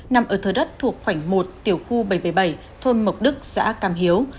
nằm ở thờ đất thuộc khoảng một tiểu khu bảy trăm bảy mươi bảy thôn mộc đức xã cam hiếu